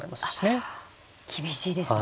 あっ厳しいですね。